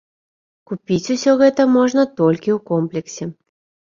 Купіць усё гэта можна толькі ў комплексе.